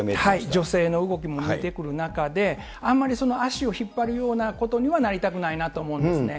助成の動きも出てくる中であんまり足を引っ張るようなことにはなりたくないなと思うんですね。